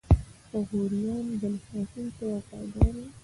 غوریان بنی هاشم ته وفادار وو.